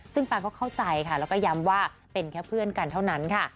ซึ่งปางก็เข้าใจค่ะแล้วก็ย้ำว่าเป็นแค่เพื่อนกันเท่านั้นค่ะ